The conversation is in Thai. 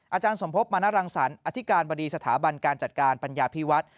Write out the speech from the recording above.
อาจารย์สมพบมณรังสรรอธิการบดีสถาบันการจัดการปัญญาพิวัฒน์